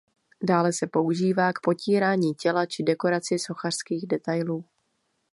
Dále se používá k potírání těla či dekoraci sochařských detailů.